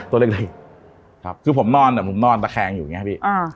ตัวเล็กเลยครับคือผมนอนอะผมนอนตะแคงอยู่ไงพี่อ่า